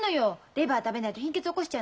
レバー食べないと貧血起こしちゃうのよ。